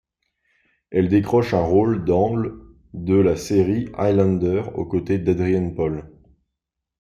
Elle décroche un rôle dans l' de la série Highlander, aux côtés d'Adrian Paul.